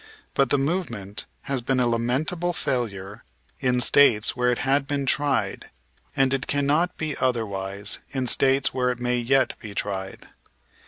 But the movement has been a lamentable failure in States where it has been tried, and it cannot be otherwise in States where it may yet be tried.